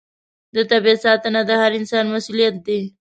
د طبیعت ساتنه د هر انسان مسوولیت دی.